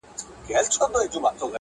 دلته هلته له خانانو سره جوړ وو٫